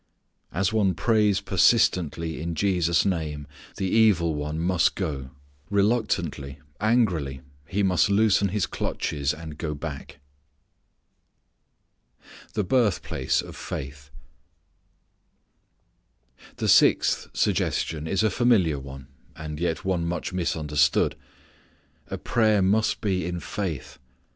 As one prays persistently in Jesus' name, the evil one must go. Reluctantly, angrily, he must loosen his clutches, and go back. The Birthplace of Faith. The sixth suggestion is a familiar one, and yet one much misunderstood. Prayer must be in faith.